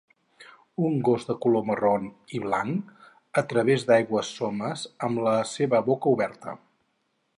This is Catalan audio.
Un gos de color marró i blanc A través d'aigües somes amb la seva boca oberta.